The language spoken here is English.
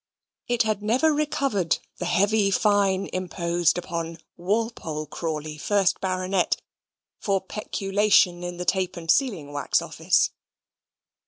It had never recovered the heavy fine imposed upon Walpole Crawley, first baronet, for peculation in the Tape and Sealing Wax Office.